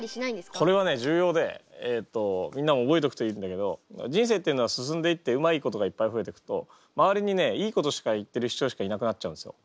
これはね重要でえっとみんなも覚えとくといいんだけど人生っていうのは進んでいってうまいことがいっぱい増えていくと周りにねいいことしか言ってる人しかいなくなっちゃうんですよ。